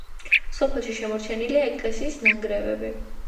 სოფელში შემორჩენილია ეკლესიის ნანგრევები.